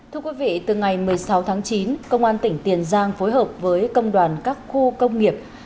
thưa quý vị từ ngày một mươi sáu tháng chín công an tỉnh tiền giang phối hợp với công đoàn các khu công nghiệp